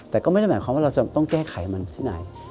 แต่ก็ไม่ได้หมายความว่าเราจะต้องแก้ไขมันที่ไหน